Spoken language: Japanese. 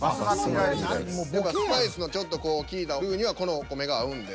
何かスパイスのちょっときいたルーにはこのお米が合うんで。